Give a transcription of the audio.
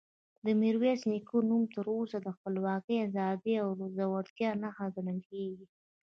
د میرویس نیکه نوم تر اوسه د خپلواکۍ، ازادۍ او زړورتیا نښه ګڼل کېږي.